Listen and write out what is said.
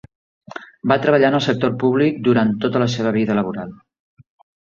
Va treballar en el sector públic durant tota la seva vida laboral.